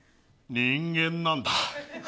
人間なんだ。